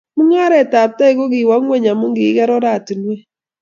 Mung'aret ab toek kukiwa ng'wen ama kikiker oratinwek